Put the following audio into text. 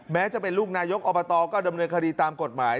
แม้จะเป็นลูกนายกอบตก็ดำเนินคดีตามกฎหมาย